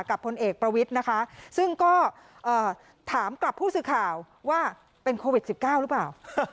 พลเอกประวิทย์นะคะซึ่งก็ถามกับผู้สื่อข่าวว่าเป็นโควิด๑๙หรือเปล่า